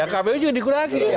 kpu juga dikurangi